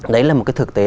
đấy là một cái thực tế